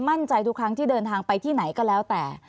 ทุกครั้งที่เดินทางไปที่ไหนก็แล้วแต่